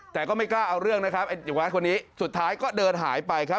แต่ก็ไม่กล้าเอาเรื่องนะครับไอ้อย่างน้อยคนนี้สุดท้ายก็เดินหายไปครับ